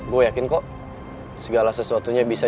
gue yakin kok segala sesuatunya bisa